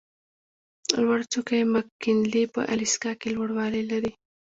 لوړه څوکه یې مک کینلي په الاسکا کې لوړوالی لري.